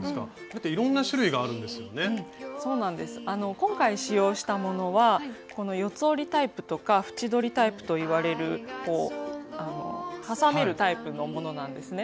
今回使用したものはこの四つ折りタイプとか縁取りタイプといわれるこう挟めるタイプのものなんですね。